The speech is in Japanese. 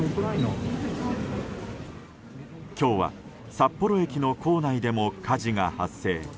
今日は札幌駅の構内でも火事が発生。